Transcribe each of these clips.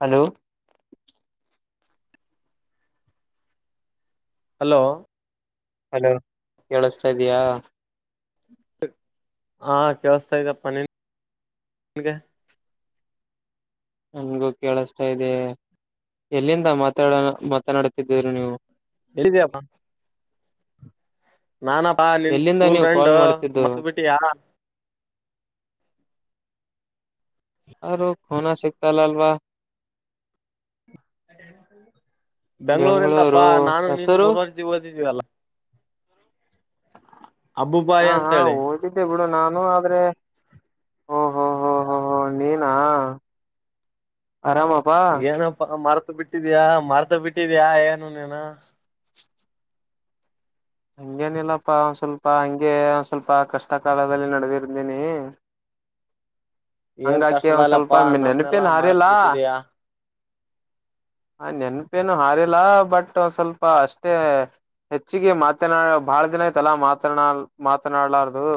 hello hello hello ಕೇಳಿಸ್ತಾ ಇದೆಯಾ ಹಾ ಕೇಳಸ್ತಾ ಇದ್ದಪ್ಪ ನೀನ್ ಇಗೆ ನನ್ಗೂ ಕೇಳಸ್ತಾ ಇದೆ ಎಲ್ಲಿಂದ ಮಾತಾಡ ಮಾತನಾಡುತ್ತಿದ್ದೀರು ನೀವು ಹೇಳಿದಯಪ್ಪ ನಾನಪ್ಪಾ ನಿನ್ ಎಲ್ಲಿಂದ ಸ್ಕೂಲ್ ನೀವು ಫ್ರೆಂಡ್ ಕಾಲ್ ಮಾಡ್ತಿದ್ದು ಮರ್ತ್ಬಿಟ್ಟಿಯಾ ಯಾರ ಫೋನ ಸಿಗ್ತಲ್ಲ ಅಲ್ವಾ ಬೆಂ್ಗಳೂರಿಂದಪ್ಪಾ ಬೆಂಗಳೂರು ನಾನು ನೀನು ಹೆಸರು ಮೂರುವರ್ಜಿಗೆ ಓದಿದ್ದೀವಲ್ಲಾ ಅಬ್ಬುಬಾಯಿ ಹಾ ಹಾ ಅಂತೇಳಿ ಓದಿದ್ದೆ ಬಿಡು ನಾ ಇ ಆದ್ರೆ ಓ ಹೋ ಹೋ ಹೋ ಹೋ ನೀನಾ ಆರಾಮಪಾ ಏನಪ್ಪ ಮಾರ್ ಬಿಟ್ಟಿದ್ಯಾ ಮಾರ್ತಾ ಬಿಟ್ಟಿದ್ಯಾ ಏನು ನೀನ ಹಂಗೇನಿಲ್ಲಪ್ಪಾ ಒಂದ್ ಸ್ವಲ್ಪ ಹಗೆ ಒ್ ಸ್ವಲ್ಪ ಕಷ್ಟ ಕಾಲದಲ್ಲಿ ನಡದಿರ್ದೀನಿ ಏನ್ ಹಂಗಾಕ ಒಂದ್ ಸ್ವಲ್ಪ ಕಷ್ಟದಲ್ಲಪ್ಪಾ ನಮ್ನೆಲ್ಲಾ ನೆನಪೇನು ಮರ್ತ್ ಹಾರಿಲ್ಲ ಬಿಟ್ಟಿದೀಯಾ ಆ ನೆನಪೇನು ಹಾರಿಲ್ಲ ಬಟ್ ಒ ಸ್ವಲ್ಪ ಅಷ್ಟೇ ಹೆಚ್ಚಿಗೆ ಮಾತನಾ ಬಾಳ ದಿನ ಐ್ತಲಾ ಮಾತನಾ ಮಾತನಾಡ್ಲಾರ್ದದು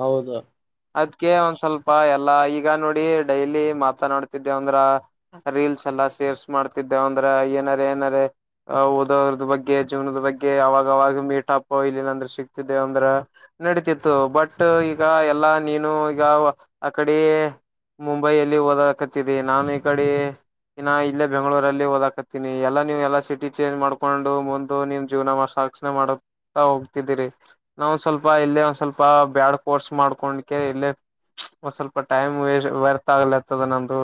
ಹೌದಾ ಅದಕ ಒಂದ್ ಸ್ವಲ್ಪ ಎಲ್ಲಾ ಈಗ ನೋಡಿ ಡೈಲಿ ಮಾತನಾಡ್ತಿದ್ದೇವಂದ್ರ ರೀಲ್ಸ್ ಸೇವ್ಸ್ ಮಾಡ್ತಿದ್ದೇವು ಅಂದ್ರ ಏನಾರ ಏನಾರ ಓದೋರದ ಬಗ್ಗೆ ಜೀವನದ ಬಗ್ಗೆ ಯಾಗ ಾಗ ಮೀಟಪ್ಪ ಇಲ್ಲಿ ಏನಂದ್ರೆ ಸಿಕ್ತಿದ್ದೇವ ಅಂದ್ರ ನಡತಿತ್ತು ಬಟ್ ಈಗ ಎಲ್ಲಾ ನೀನು ಈಗ ಆ ಕಡೆ ಮುಂಬೈಲ್ಲಿ ಓದಕತಿದೆ ನಾನು ಈ ಕಡೆ ಇನ್ನ ಇಲ್ಲೇ ಬೆಂಗಳೂರಲ್ಲಿಓದಾಕತ್ತೀಿನಿ ಎಲ್ಲಾ ನೀವು ಎಲ್ಲಾ ಸಿಟಿ ಚೇಂಜ್ ಮಾಡ್ಕೊಂಡು ಮುಂದ ನಿಮ್ ಜೀವನ ಮಾಡ ಕ್ಷಣೆ ಮಾಡತಾ ಹೋಗ್ತಿದ್ದೀರಿ ನಾ ಒ್ ಸ್ವಲ್ಪ ಇಲ್ಲೇ ಒಂದ್ ಸ್ವಲ್ಪ ಬ್ಯಾಡ್ ಕೋರ್ಸ್ ಮಾಡ್ಕೊಂಡ ಇಲ್ಲೇ ಒಂದ್ ಸ್ವಲ್ಪ ಟೈಮ್ ವ್ಯರ್ಥ ಆಗಲ ಇತದ ನಂದು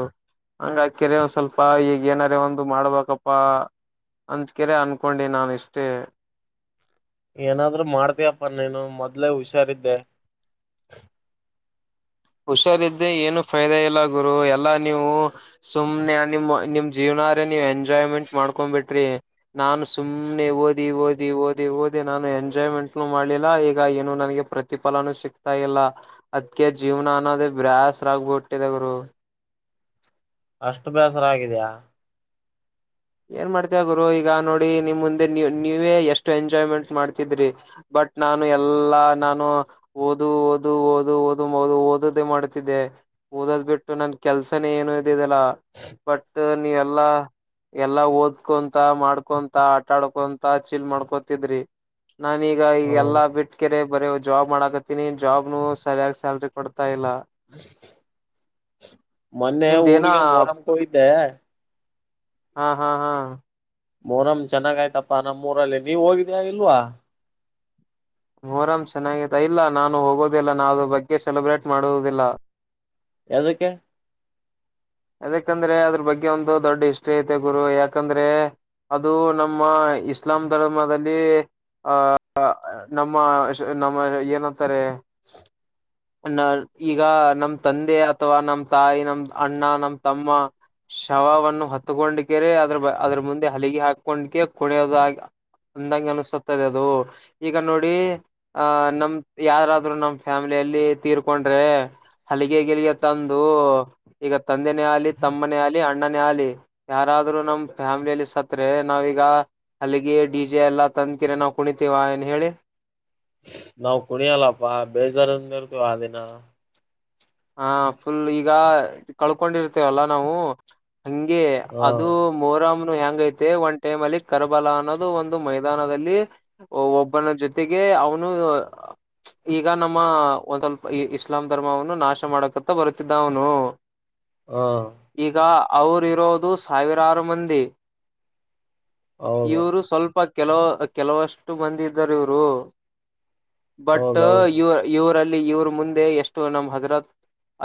ಹಂಗ ಕೆರೆ ಒ ಸ್ವಲ್ಪ ಈಗ ಏನಾರ ಒಂದು ಮಾಡ್ಬೇಕಪ್ಪಾ ಅಂದ್ಕರೆ ಅನ್ಕೊಂಡೆ ನಾನ ಇಷ್ಟೇ ಏನಾದ್ರರು ಮಾಡ್ತಯಪ್ಪ ನೀನು ಮೊದ್ಲೆ ಹುಷಾರಿದ್ದೆ ಹುಷಾರಿದ್ರೆ ಏನು ಫೈದ ಇಲ್ಲ ಗುರು ಎಲ್ಲಾ ನೀವು ಸುಮ್ನೆ ನಿಮ್ಮ ನಿಮ್ ಜೀವನ ನೀ ಎಂಜಾಯ್ಮೆಂಟ್ ಮಾಡ್ಕೊಂಡ್ ಬಿಟ್ರಿ ನಾನು ಸುಮ್ನೆ ಓದಿ ಓದಿ ಓದಿ ಓದಿ ಓದಿ ನಾನು ಎಂಜಾಯ್ಮೆಂಟ್ನು ಮಾಡ್ಲಿಲ್ಲ ಈಗ ಏನು ನನ್ಗೆ ಪ್ರತಿಫಲನೂ ಸಿಗ್ತಾ ಇಲ್ಲ ಅದ್ಕ ಜೀವ್ನ ಅನ್ನೋದೇ ಬ್ರಾಸ್ರ ಆಗಬಿಟ್ಟಿದೇಗುರು ಅಷ್ಟು ಬೇಸರ ಆಗಿದ್ಯಾ ಏನ್ ಮಾಡ್ತಿಯ ಗುರು ಈಗ ನೋಡಿ ನಿಮ್ ಮುಂದೆ ನೀ ನೀವೇ ಎಷ್ಟು ಎಂಜಾಯ್ಮೆಂಟ್ ಮಾಡ್ತಿದ್ರಿ ಬಟ್ ಬಟ್ ನಾನು ಎಲ್ಲಾ ನಾನು ಓದು ಓದು ಓದು ಓದು ಮ ಓದು ಓದದೆೇ ಮಾಡುತ್ತಿದ್ದೆ ಓದದ್ ಬಿಟ್ಟು ನನ್ ಕೆಲ್ಸನ ಏನು ಇದಿದೆಲ್ಲ ಬಟ್ ನೀವೆಲ್ಲಾ ಎಲ್ಲಾ ಓದ್ಕೊಂತ ಮಾಡ್ಕೊಂತ ಆಟ ಆಡ್ಕೊಂತ ಚೀಲ್ ಮಾಡ್ಕೊತಿದ್ರಿ ನಾನೀಗ ಈಗ ಹೌದು ಎಲ್ಲಾ ಬಿಟ್ಕರೆ ಬರ ಜಾಬ್ ಮಾಡಾಕತ್ತೀಿನಿ ಜಾಬ್ನು ಸರಿಯಾಗಿ ಸ್ಯಾಲ್ರಿ ಕೊಡ ಮೊನ್ನೆ ನಿಮ್ದೇನ ಊರ್ಗೆ ಮೊರಂಮಕೋಯ್ದೆ ಹಾ ಹಾ ಹಾ ಮೋರಮ ಚೆನ್ನಾಗ ಆಯ್ತಪ್ಪಾ ನಮ್ಮ್ೋರಲ್ಲಿ ನೀವ್ ಹೋಗಿದ್ಯಾ ಇಲ್ವಾ ಮೊರಂ್ ಚೆನ್ನಾಗಿತ್ತ ಇಲ್ಲ ನಾನು ಹೋಗೋದಿಲ್ಲ ನಾವ ಆದರ ಬಗ್ಗೆ ಸೆಲೆಬ್ರೇಟ್ ಮಾಡೋದಿಲ್ಲ ಎದಕ್ಕೆ ಅದಕಂದ್ರೆ ಅದ್ರ ಬಗ್ಗೆ ಒಂದು ದೊಡ್ಡ ಇಷ್ಟ್ಟ್ರಿ ಐತೆ ಗುರು ಯಾಕಂದ್ರೆ ಅದು ನಮ್ಮ ಇಸ್ಲಾಂ ಧರ್ಮದಲ್ಲಿ ಆಹ ನಮ್ಮ ನಮ್ಮ ಏನಂತಾರೆ ಈಗ ನಮ ತಂದೆ ಅಥವಾ ನಮ್ ತಾಯಿ ನಮ್ ಅಣ್ಣ ನಮ್ ತಮ್ಮ ಶವವನ್ನು ಹತ್ತಕೊಂಡ ಕೇರೆ ಅದ್ರ ಅದ್ರ ಮುಂದೆ ಹಲಿಗೆ ಹಾಕ ಕೊಂಡಕ ಕುಣಿಯೋದ ಅಂದಂಗ ಅನಿಸುತ್ತದೆ ಅದು ಈಗ ನೋಡಿ ಆಹ ನಮ ಯಾರಾದ್ರು ನಮ್ ಫ್ಯಾಮಿಲಿಯಲ್ಲಿ ತೀರ್ಕೊಂಡ್ರೆ ಹಲಗೆ ಗಿಲ್ಗೆ ತಂದು ಈಗ ತಂದೆನೇ ಆಗಲಿ ತಮ್ಮನೇ ಆಲಿ ಅಣ್ಣ ಅಣ್ಣನೇ ಆಲಿ ಯಾರಾದ್ರೂ ನಮ್ ಫ್ಯಾಮ್ಲಿಯಲ್ಲಿ ಸತ್ರೆ ನಾವೀಗ ಹಲ್ಲಿಗೆ ಡಿಜೆ ಎಲ್ಲ ತಂತೀರ ನಾವು ಕುಣಿತೇವಾ ಏನ್ ಹೇಳಿ ನಾವು ಕುಣಿಯಲ್ಲಪ್ಪಾ ಬೇಜಾರಿಂದ ಇರ್ತವ ಆ ದಿನ ಹಾ ಫುಲ್ ಈಗ ಕಳ್ಕೊಂಡಿರ್ತೇವಲ್ಲ ನಾವು ಹಂಗೆ ಹಾ ಅದು ಮೋರಾಂಮ ಹೆಂಗ ಐತೆ ಒಂದ ಟೈಮ್ ಅಲ್ಲಿ ಕರ್ಬಲ ಅನ್ನೋದು ಒಂದು ಮೈದಾನದಲ್ಲಿ ಒಬ್ಬನ ಜೊತೆಗೆ ಅವನು ಈಗ ನಮ್ಮ ಒಂದ ಸ್ವಲ್ಪ ಇಸ್ಲಾಂ ಧರ್ಮವನ್ನು ನಾಶ ಮಾಡಕತ್ತ ಬರುತ್ತಿದ್ದ ಅವ್ನು ಹಾ ಈಗ ಅವರಿರೋದು ಸಾವಿರಾರು ಮಂದಿ ಹೌದು ಇವ್ರು ಸ್ವಲ್ಪ ಕೆಲವ ಕೆಲವಷ್ಟು ಮಂದಿ ಇದ್ದಾರೆ ಇವರು ಬಟ್ ಹೌದೌದು ಇವ ಇವರು ಅಲ್ಲಿ ಇವ್ರ ಮುಂದೆ ಎಷ್ಟು ಅನಮ ಹದರತ್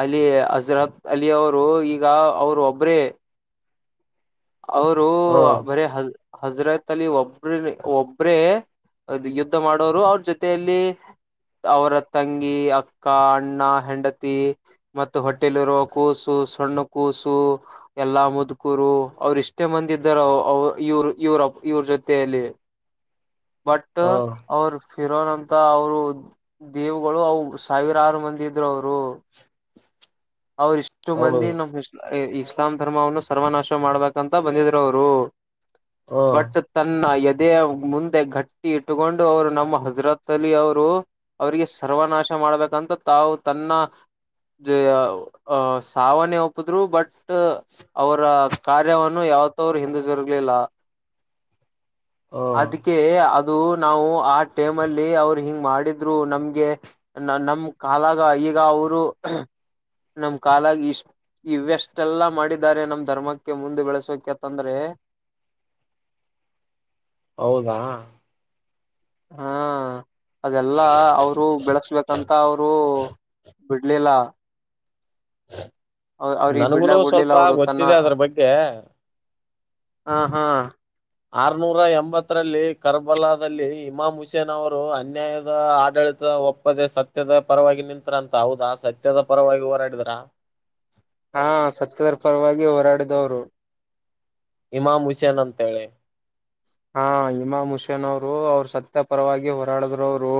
ಅಲ್ಲಿ ಹಜರತ್ ಅಲಿ ಅವ್ರು ಈಗ ಅವ್ರು ಒಬ್ರೇ ಅವ್ರು ಹಾ ಬರಿ ಹಜ ಹಜರತ್ ಅಲ್ಲಿ ಒಬ್ರ ಒಬ್ರೇ ಅದು ಯುದ್ಧ ಮಾಡೋರು ಅವ್ರ ಜೊತೆಯಲ್ಲಿ ಅವರ ತಂಗಿ ಅಕ್ಕ ಅಣ್ಣ ಹೆಂಡತಿ ಮತ್ತು ಹೊಟ್ಟೆಲಿ ಇರೊ ಕೂಸು ಸಣ್ಣ ಕೂಸು ಎಲ್ಲಾ ಮುದ್ಕೂರು ಅವ್ರು ಇಷ್ಟೇ ಮಂದಿ ಇದ್ದಾರು ಅವ ಇವ್ರ ಇವ್ರ ಇವ್ರ ಜೊತೆಯಲ್ಲಿ ಬಟ್ ಹಾ ಅವ್ರು ಇರೋರಂತ ಅವ್ರು ದೇವುಗಳು ಅವು ಸಾವಿರ ಆರು ಮಂದಿ ಇದ್ರು ಅವ್ರು ಅವ್ರ ಇಷ್ಟು ಹೌದು ಮಂದಿ ನಮ್ ಇಸ್ಲಾಂ ಧರ್ಮವನ್ನು ಸರ್ವನಾಶ ಮಾಡ್ಬೇಕಂತ ಬಂದಿದರು ಅವರು ಹಾ ಬಟ್ ತನ್ನ ಇದೇ ಮುಂದೆ ಗಟ್ಟಿ ಇಟ್ಟುಕೊಂಡು ಅವ್ರು ನಮ್ಮ ಹಜರತ್ ಅಲ್ಲಿ ಅವ್ರು ಅವ್ರು ಸರ್ವನಾಶ ಮಾಡ್ಬೇಕಂತ ತಾವು ತನ್ನ ಜ ಅಹ ಸಾವನೆೇ ಒಪ್ಪಿದ್ರು ಬಟ್ ಅವರ ಕಾರ್ಯವನ್ನು ಯಾವತ ಅವ್ರು ಹಿಂದಸರು ಿಲ್ಲ ಹಾ ಅದಕ್ಕೆ ಅದು ನಾವು ಆ ಟೈಮ್ ಅಲ್ಲಿ ಅವರು ಹಿಂಗ ಮಾಡಿದ್ರು ನಮ್ಗೆ ನಮ್ ಕಾಲ ಈಗ ಅವ್ರು ನಮ್ ಕಾಲಾಗಿ ಇಷ್ಟ ಇವೆಷ್ಟೆಲ್ಲಾ ಮಾಡಿದ್ದಾರೆ ನಮ್ ಧರ್ಮಕ್ಕೆ ಮುಂದೆ ಬೆಳಸೋಕ ಅಂತಂದ್ರೆ [inaudible] ಹೌದಾ ಹಾ ಅದೆಲ್ಲಾ ಅವ್ರು ಬೆಳೆಸ್ಬೇಕಂತ ಅವ್ರು ಬಿಡಲಿಲ್ಲ ಅವ ಅವ್ರಿಗೆ ಬಿಡ್ಲ ನನ್ಗುನು ಬಿಡ್ಲಿಲ್ಲ ಸ್ವಲ್ಪ ಅವ್ರು ತನ್ನ ಗೊತ್ತಿದೆ ಅದ್ರ ಬಗ್ಗೆ ಹಾ ಹಾ ಆರ್ನೂರ ಎಂಬತ್ತರಲ್ಲಿ ಕರ್ಬಲಾದಲ್ಲಿ ಇಮಾಮ್ ಹುಸೇನ್ ಅವರು ಅನ್ಯಾಯದ ಆಡಳಿತ ಒಪ್ಪದೆ ಸತ್ಯದ ಪರವಾಗಿ ನಿಂತರ ಅಂತ ಹೌದಾ ಸತ್ಯದ ಪರವಾಗಿ ಹೋರಾಡಿದ್ರ ಹಾ ಸತ್ಯದರ ಪರವಾಗಿ ಹೋರಾಡಿದವರು ಇಮಾಮ್ ಹುಸೇನ್ ಅಂತ ಹೇಳಿ ಹಾ ಇಮಾ ಹುಷೇನ್ ಅವರು ಅವ್ರು ಸತ್ಯಪರವಾಗಿ ಹೋರಾಡದ್ರವರು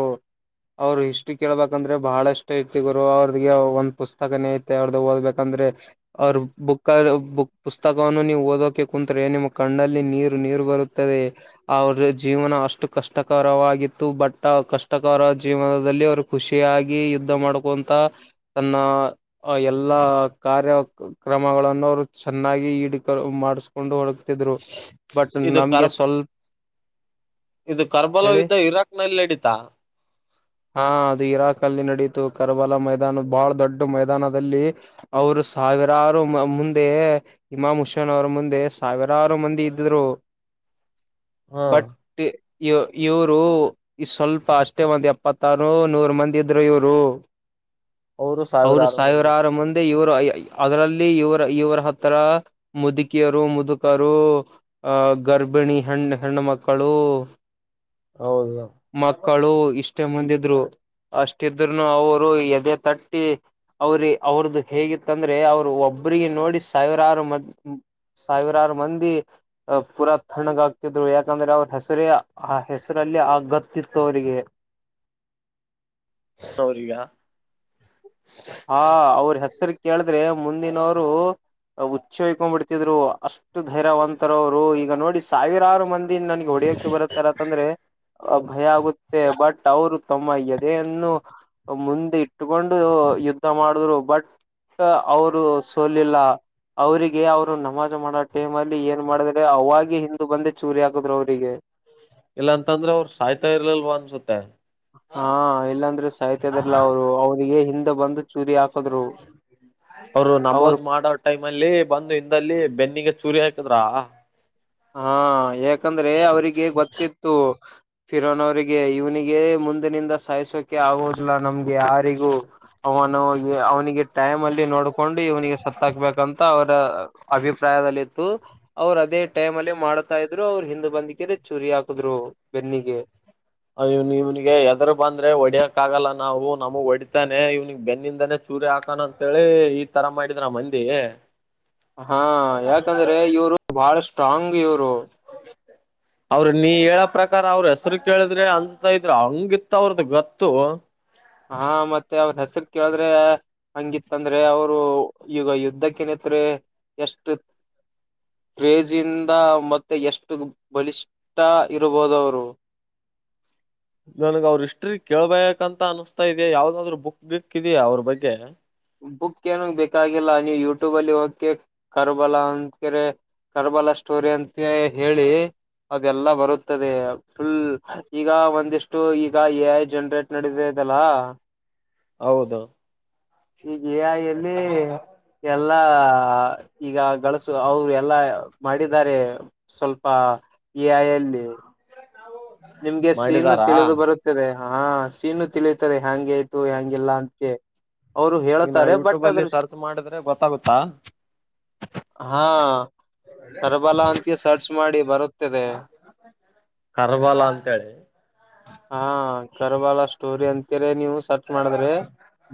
ಅವ್ರರು ಹಿಸ್ಟ್ರಿ ಕೇಳ್ಬೇಕಂದ್ರೆ ಬಹಳಷ್ಟ ಐತಿ ಗುರು ಅವ್ರದ ಒಂದ ಪುಸ್ತಕನೇ ಐತೆ ಅವ್ರದ ಓದಬೇಕಂದ್ರೆ ಅಂದ್ರೆ ಅವ್ರ ಬುಕ್ ಬುಕ್ ಪುಸ್ತಕವನ್ನು ನೀವು ಓದೋಕೆ ಕುತ್ರೆ ನಿಮ್ಮ ಕಣ್ಣಲ್ಲಿ ನೀರು ನೀರು ಬರುತ್ತ ಅವ್ರ ಜೀವನ ಅಷ್ಟು ಕಷ್ಟಕರವಾಗಿತ್ತು ಬಟ್ ಕಷ್ಟಕರ ಜೀವನದಲ್ಲಿ ಅವರು ಖುಷಿಯಾಗಿ ಯುದ್ಧ ಮಾಡ್ಕೊಂತ ತನ್ನ ಎಲ್ಲ ಕಾರ್ಯ ಕ್ರಮಗಳನ್ನು ಅವ್ರು ಚೆನ್ನಾಗಿ ಈಡ ಮಾಡಿಸಕೊಂಡು ಹರಕ್ತಿದ್ರು ಬಟ್ ಇದು ನಮ್ಗೆ ಕರ್ ಸ್ಲ್ ಇದು ಕರ್ಬಲ ಯುದ್ಧ ಇರಾಕ್ ನಲ್ಲಿ ನಡಿತಾ ಹಾ ಅದು ಇರಾಕ್ ಅಲ್ಲಿ ನಡೆಯುತ್ತೆ ಕರಬಲ ಮೈದಾನ ಬಹಳ ದೊಡ್ಡ ಮೈದಾನದಲ್ಲಿ ಅವರು ಸಾವಿರಾರು ಮುಂದೆ ಇಮಾಮ್ ಹುಷನ್ ಅವರ ಮುಂದೆ ಸಾವಿರಾರು ಮಂದಿ ಇದ್ದ್ರು ಹ ಬಟ್ ಇ ಇವರು ಈ ಸ್ವಲ್ಪ ಅಷ್ಟೇ ಒಂದ್ ಎಪ್ಪತ್ತಾರು ನೂರ ಮಂದಿ ಇದರು ಇವರು ಅವರು ಸಾವಿರಾರು ಮಂದಿ ಇವರು ಅದರಲ್ಲಿ ಇವರ ಇವರ ಹತ್ರ ಮುದುಕಿಯರು ಮುದುಕರು ಗರ್ಭಿಣಿ ಹೆಣ ಹೆಣ್ಣು ಮಕ್ಕಳು ಹೌದು ಮ ಕಳು ಇಷ್ಟೇ ಮುಂದಿದ್ರು ಅಷ್ಟಿದ್ರುನು ಅವರು ಎದೆ ತಟ್ಟಿ ಅವ್ರ ಅವ್ರದ ಹೇಗಿತ್ತಂದ್ರೆ ಅವ್ರರು ಒಬ್ಬ್ರಿಗೆ ನೋಡಿ ಸಾವಿರಾರು ಮ ಸಾವಿರಾರು ಮಂದಿ ಪೂರಾ ತಣಗ ಇದು ಯಾಕಂದ್ರೆ ಅವ್ರ ಹೆಸರೇ ಆ ಹೆಸರಲ್ಲಿ ಆಗತ್ತಿತ್ತು ಅವಿಗೆ [inaudible] ಸೌರಿಯಾ ಹಾ ಅವ್ರ ಹೆಸರು ಕೇಳಿದ್ರೆ ಮುಂದಿನವರು ಹುಚ್ಚ ಹಯ್ಕೊಂಡ್ ಬಿಡ್ತಿದ್ರು ಅಷ್ಟು ಧೈರ್ಯವಂತರ ಅವ್ರು ಈಗ ನೋಡಿ ಸಾವಿರಾರು ಮಂದಿ ನನ್ಗೆ ಹೊಡೆಯೋಕ್ಕೆ ಬರುತ್ತಾರ ಅಂತಂದ್ರೆ ಭಯ ಆಗುತ್ತೆ ಬಟ್ ಅವ್ರು ತಮ್ಮ ಎದೆಯನ್ನು ಮುಂದೆ ಇಟ್ಟುಕೊಂಡು ಯುದ್ಧ ಮಾಡಿದ್ರು ಬಟ್ ಅವರು ಸೋಲಿಲ್ಲ ಅವರಿಗೆ ಅವರು ನಮ ಮಾಡ ಟೈಮ್ ಅಲ್ಲಿ ಏನ್ ಮಾಡಿದ್ರೆ ಅವಾಗ ಹಿಂದ ಬಂದೇ ಚೂರಿ ಹಾಕುದ್ರು ಅವರಿಗೆ ಇದ್ರೂ ಅವ್ ಸಾಯ್ತಾ ಇರ್ಲ್ವ ಅನ್ಸುತ್ತೆ ಹಾ ಇಲ್ಲಾಂದ್ರೆ ಸಾಹತ್ಯದ್ರಲ್ಲ ಅವ್ರು ಅವ್ರಿಗೆ ಹಿಂದೆ ಬಂದ ಅವರು ನಮೋಜ್ ಮಾಡೋ ಟೈಮ್ ಅಲ್ಲಿ ಬಂದು ಹಿಂದಲ್ಲಿ ಬೆನ್ನ ಬೆನ್ನಿಗೆ ಚೂರಿ ಹಾಕದ್ರಾ ಹಾ ಯಾಕಂದ್ರೆ ಅವ್ರಿಗೆ ಗೊತ್ತಿತ್ತು ಫಿರೋನ್ ಅವ್ರಿಗೆ ಇವನಿಿಗೆ ಮುಂದಿನಿಂದ ಸಾಯ್ಸೋಕೆ ಆಗೋುದಿಲ್ಲ ನಮ್ಗೆ ಯಾರಿಗೂ ಅವನು ಅವನಿಗೆ ಟೈಮ್ ಅಲ್ಲಿ ನೋಡ್ಕೊಂಡು ಇವನಿಗೆ ಸತ್ಕ್ಬೇಕಂತ ಅವ್ರ ಅಭಿಪ್ರಾಯದಲ್ಲಿ ಇತ್ತು ಅವ್ರು ಅದೇ ಟೈಮ ಅಲ್ಲಿ ಮಾಡ್ತಾ ಇದ್ರು ಅವ್ರು ಹಿಂದ್ ಬಂದಕ ಚೂರಿ ಹಾಕದ್ರು ಬೆನ್ನಿಗೆ ಇವ್ ಇವ್ಗೆ ಎದರು ಬಂದ್ರೆ ಹೊಡಿಯಕ್ ಆಗಲ್ಲ ನಾವು ನಮಗ್ ಹೊಡಿತಾನೆ ಇವ್ಗೆ ಬೆನ್ನಿಂದಾನೆ ಸೂರ್ಯ ಹಾಕಣ ಅಂತೇಳಿ ಈ ತರ ಮಾಡಿದ್ರ ಮಂದಿ ಹಾ ಯಾಕಂದ್ರೆ ಇವರು ಬಹಳಷ್ಟು ಟಾಂಗಿಯೂರು ಅವ್ರ ನೀ ಹೇಳೋ ಪ್ರಕಾರ ಅವ್ರ ಹೆಸರು ಕೇಳಿದ್ರೆ ಅನ್ಸತಾ ಇದ್ರ ಹಂಗಿತ್ತ ಅವ್ರದ ಗತ್ತು ಹಾ ಮತ್ತೆ ಅವ್ರ ಹೆಸರು ಕೇಳಿದ್ರೆ ಹಂಗಿತ್ತಂದ್ರೆ ಅವರು ಈಗ ಯುದ್ಧಕ್ಕೆನತ್ ಎಷ್ಟು ಕ್ರೇಜಿಂದ ಮತ್ತೆ ಎಷ್ಟು ಬಲಿಷ್ಠ ಇರಬಹದವರು [unintelligible] ನನ್ಗ ಅವ್ರ ಇಷ್ಟ್ಟ್ರಿ ಕೇಳ್ಬೇಕಂತ ಅನ್ಿಸಸ್ತಾ ಇದಾ ಯಾವ್ದಾದ್ರು ಬುಕ್ ಗಿಕ್ಿದೆಯಾ ಅವ್ರ ಬಗ್ಗೆ ಬುಕ್ ಏನ ಬೇಕಾಗಿಲ್ಲ ನೀವು ಯೂಟ್ಯೂಬ್ ಅಲ್ಲಿ ಹೋಗಕೆ ಕರ್ಬಲ್ಲ ಅಂದಕರೆ ಕರ್ಬಲ ಸ್ಟೋರಿ ಅಂತ ಹೇಳಿ ಅದೆಲ್ಲಾ ಬರುತ್ತದೆ ಫುಲ್ ಈಗ ಒಂದಿಷ್ಟು ಈಗ ಎ ಐ ಜನರೇಟ್ ನಡದಲ್ಲ ಹೌದು ಈಗಲ್ಲಿ ಎಲ್ಲ ಎಲ್ಲ ಈಗ ಗಳಸು ಅವರು ಎಲ್ಲಾ ಮಾಡಿದಿದ್ದಾರೆ ಸ್ವಲ್ಪ ಆಯ ಎಲ್ಲಿ ನಿಮ್ಗೆ ಸೀನು ಮಾಡಿದಾರಾ ತಿಳಿದು ಬರುತ್ತದೆ ಹಾ ಸೀನು ತಿಳಿತಾರೆ ಹೆ್ಯಾಂಗಗೆ ಆಯ್ತು ಹೆಂಗಗೆಲ್ಲಾ ಅಂತ ಈಗ ನಾ ಯೂಟ್ಯೂಬ ಅಲ್ಲಿ ಸರ್ಚ್ ಮಾಡಿದ್ರೆ ಗೊತ್ತಾಗುತ್ತಾ ಹಾ ಕರಬಲ ಅಂತ ಸರ್ಚ್ ಮಾಡಿ ಬರುತ್ತದೆ ಕರ್ಬಲ ಅಂತ ಹೇಳಿ ಹಾ ಕರಬಾಲ ಸ್ಟೋರಿ ಅಂತರ ನೀವು ಸರ್ಚ್ ಮಾಡಿದ್ರೆ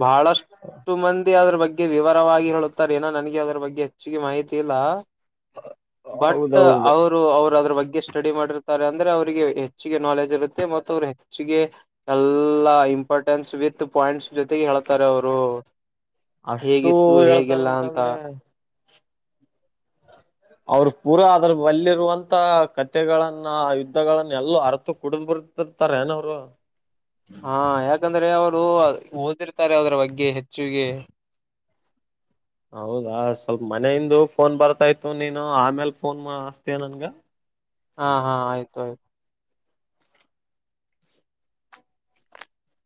ಬಹಳಷ್ಟು ಮಂದಿ ಅದ್ರ ಬಗ್ಗೆ ಬಗೆ ವಿವರವಾಗಿ ಹೇಳುತ್ತಾರೆ ಏನ ನನಗೆ ಅದರ ಬಗ್ಗೆ ಹೆಚ್ಚುಿಗೆ ಮಾಹಿತಿ ಇಲ್ಲ ಬಟ್ ಹೌದೌದು ಅವರು ಅವರು ಅದ್ರ ಬಗ್ಗೆ ಸ್ಟಡಿ ಮಾಡಿರ್ತಾರೆ ಅಂದ್ರೆ ಅವ್ರಿಗೆ ಹೆಚ್ಚಿಗೆ ನಾಲೆಜ್ ಇರುತ್ತೆ ಮ ಅವರು ಹೆಚ್ಚಿಗೆ ಎಲ್ಲ ಇಂಪಾರ್ಟೆನ್ಸ್ ವಿತ್ ಪಾಯಿಂಟ್ಸ್ ಜೊತೆ ಹೇಳ್ತಾರೆ ಅವರು ಅಷ್ಟು ಹೇಗಿತ್ತು ಹೇಗಿಲ್ಲ ಅಂತ ಹೇಳ್ತಾರಂತಂದ್ರೆ ಹ ಅವರು ಪೂರಾ ಅದ್ರ ಬಲ್ಲಿರುವಂತ ಕಥೆಗಳನ್ನ ಆ ಯುದ್ಧಗಳನ್ನ ಎಲ್ಲೋ ಅರತು ಕುಡಿದ್ ಬರ್ ತಾರೆನ ಹರ ಹಾ ಯಾಕಂದ್ರೆ ಅವರು ಓದಿರ್ತಾರೆ ಅದ್ರ ಬಗ್ಗೆ ಹೆಚ್ಚಿಗೆ ಹೌದಾ ಸ್ವಲ್ಪ ಮನೆಯಿಂದ ಫೋನ್ ಬರ್ತಾ ಇತ್ತು ನೀನು ಆಮೇಲ್ ಫೋನ್ ಹಚಿತ್ಯಾ ಯ ನನ್ಗ ಹಾ ಹಾ ಆಯ್ತು ಆಯ್ತು [inaudible] [inaudible]